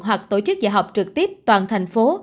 hoặc tổ chức dạy học trực tiếp toàn thành phố